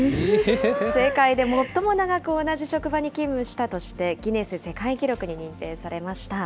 世界で最も長く同じ職場に勤務したとして、ギネス世界記録に認定されました。